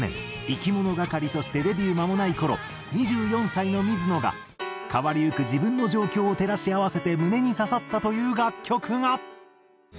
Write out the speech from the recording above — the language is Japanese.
いきものがかりとしてデビュー間もない頃２４歳の水野が変わりゆく自分の状況を照らし合わせて胸に刺さったという楽曲が。